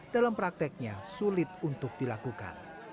dalam prakteknya sulit untuk dilakukan